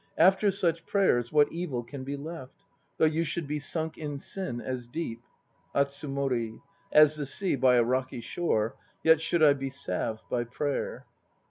After such prayers, what evil can be left? Though you should be sunk in sin as deep ... ATSUMORI. As the sea by a rocky shore, Yet should I be salved by prayer.